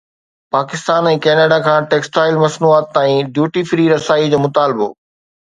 Pakistan ۽ Canada کان textile مصنوعات تائين ڊيوٽي فري رسائي جو مطالبو